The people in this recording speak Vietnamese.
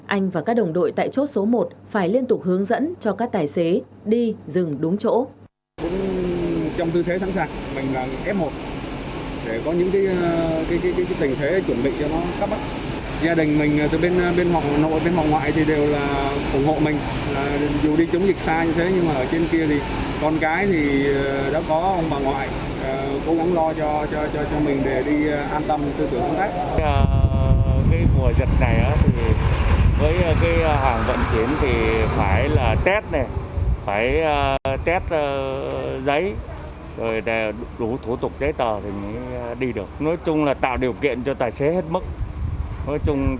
anh và các đồng đội tại chốt số một phải liên tục hướng dẫn cho các tài xế đi dừng đúng chỗ